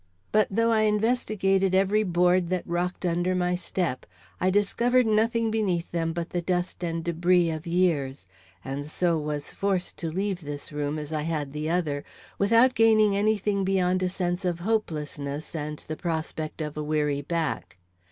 But, though I investigated every board that rocked under my step, I discovered nothing beneath them but the dust and debris of years, and so was forced to leave this room as I had the other, without gaining any thing beyond a sense of hopelessness and the prospect of a weary back.